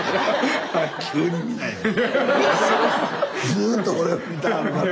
ずっと俺を見てはるから。